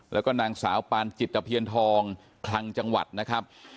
แล้วก็นางสาวปานจิตเพียนทองคลังจังหวัดนะครับ